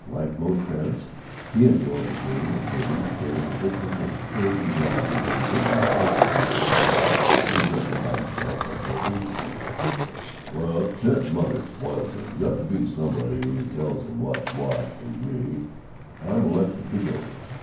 Like most parents, he enjoyed the game of waiting till the victim was clearly wrong, then virtuously pouncing. He justified himself by croaking, "Well, Ted's mother spoils him. Got to be somebody who tells him what's what, and me, I'm elected the goat.